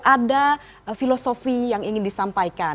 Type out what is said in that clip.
ada filosofi yang ingin disampaikan